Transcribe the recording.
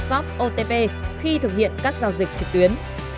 shop otp khi thực hiện các giao dịch trực tuyến